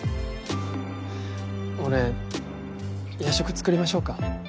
俺夜食作りましょうか？